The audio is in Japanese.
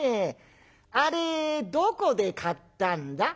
あれどこで買ったんだ？」。